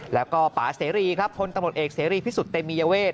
แล้วก็ป่าเสรีครับพลตำรวจเอกเสรีพิสุทธิเตมียเวท